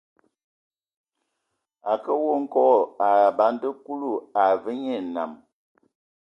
A kǝə we nkog, a banda Kulu, a vas nye enam.